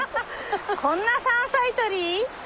こんな山菜採り？